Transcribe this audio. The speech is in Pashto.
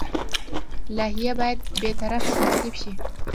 لایحه باید بې طرفه ترتیب شي.